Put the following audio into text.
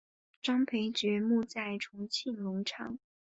张培爵墓在重庆荣昌。